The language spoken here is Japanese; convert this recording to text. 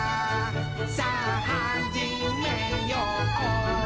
さぁはじめよう」